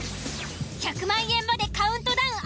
１００万円までカウントダウン